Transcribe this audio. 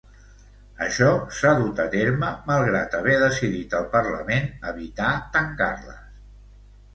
Això s'ha dut a terme malgrat haver decidit al Parlament evitar tancar-les.